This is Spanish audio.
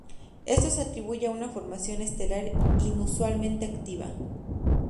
Esto se atribuye a una formación estelar inusualmente activa.